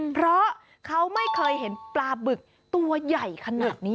เพราะเขาไม่เคยเห็นปลาบึกตัวใหญ่ขนาดนี้